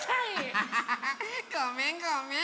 ハハハハハごめんごめん！